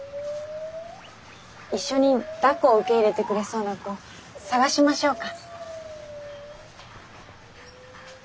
一緒にだっこを受け入れてくれそうな子を探しましょうか。